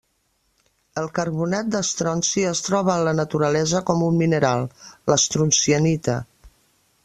El carbonat d'estronci es troba en la naturalesa com un mineral: l'estroncianita.